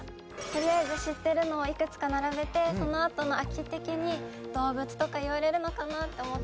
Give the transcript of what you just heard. とりあえず知ってるのをいくつか並べてそのあとの空き的に動物とか言われるのかなって思って麒麟って言っちゃいました。